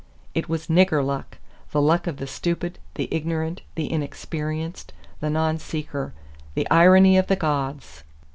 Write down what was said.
It was "nigger luck" the luck of the stupid, the ignorant, the inexperienced, the nonseeker the irony of the gods!